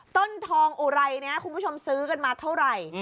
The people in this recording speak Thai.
ต้นทองอุไรนี้คุณผู้ชมซื้อกันมาเท่าไหร่